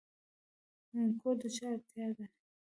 کور د چا اړتیا ده؟